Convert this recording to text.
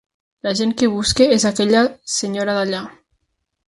La gent que busca és aquella senyora d'allà.